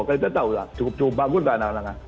kita tahu lah cukup cukup bagus kan anak anak